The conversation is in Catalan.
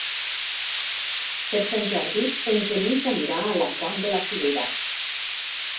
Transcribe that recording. Per Sant Jordi en Genís anirà a la Font de la Figuera.